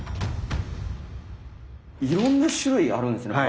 いろんな種類あるんですね。